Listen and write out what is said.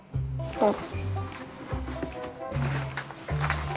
うん。